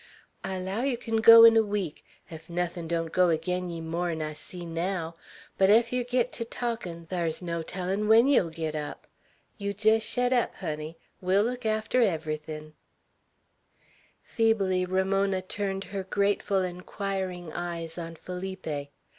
"I allow ye kin go 'n a week, ef nothin' don't go agin ye more'n I see naow; but ef yer git ter talkin', thar's no tellin' when yer'll git up. Yeow jest shet up, honey. We'll look arter everythin'." Feebly Ramona turned her grateful, inquiring eyes on Felipe.